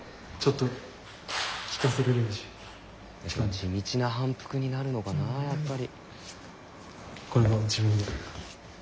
地道な反復になるのかなやっぱり。